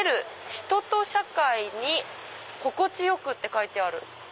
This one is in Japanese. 「人と社会に心地よく」って書いてある。